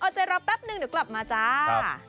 เอาใจรอแป๊บนึงเดี๋ยวกลับมาจ้า